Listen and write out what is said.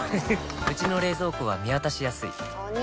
うちの冷蔵庫は見渡しやすいお兄！